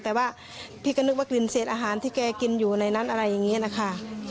แต่ว่าพี่ก็นึกว่ากลิ่นเศษอาหารที่แกกินอยู่ในนั้นอะไรอย่างนี้นะคะ